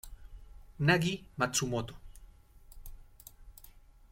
Nagi Matsumoto